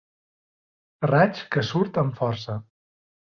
Raig que surt amb força.